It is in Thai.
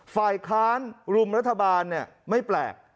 ฝ่ายค้านรุมรัฐบาลไม่แปลก